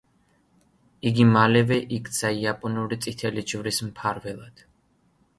იგი მალევე იქცა იაპონური წითელი ჯვრის მფარველად.